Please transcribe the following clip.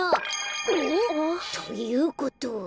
お？ということは。